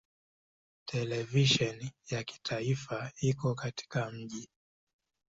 Televisheni ya kitaifa iko katika mji.